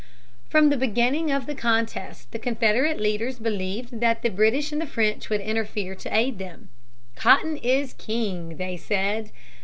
From the beginning of the contest the Confederate leaders believed that the British and the French would interfere to aid them. "Cotton is king," they said.